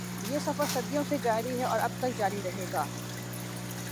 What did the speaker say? یہ سفر صدیوں سے جاری ہے اور ابد تک جاری رہے گا۔